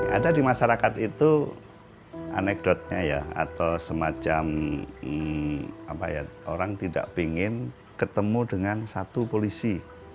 ada di masyarakat itu anekdotnya ya atau semacam orang tidak ingin ketemu dengan satu polisi